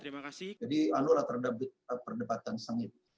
jadi anulah terhadap perdebatan sangat